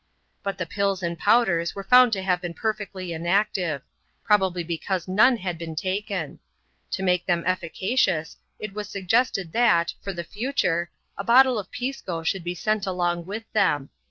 But the pills and powders were found to have been perfectly inactive : probably because none had been taken. To make * them efficacious, it was suggested that, for the future, a bottle of Pisco should be sent along with them.